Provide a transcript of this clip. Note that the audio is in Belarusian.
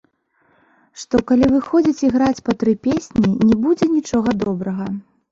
Што калі выходзіць і граць па тры песні, не будзе нічога добрага.